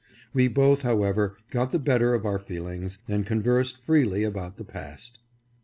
We both, however, got the better of our feelings, and conversed freely about the past.